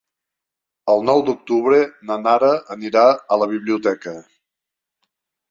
El nou d'octubre na Nara anirà a la biblioteca.